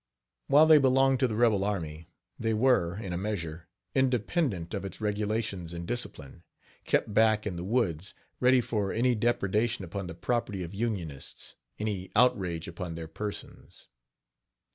While they belonged to the rebel army, they were, in a measure, independent of its regulations and discipline, kept back in the woods, ready for any depredation upon the property of unionists any outrage upon their persons.